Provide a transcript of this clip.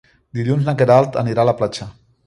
Dilluns na Queralt anirà a la platja.